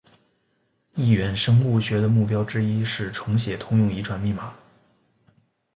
异源生物学的目标之一是重写通用遗传密码。